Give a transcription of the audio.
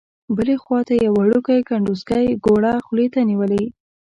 بل خوا ته یې یو وړوکی کنډوسکی ګوړه خولې ته نیولې.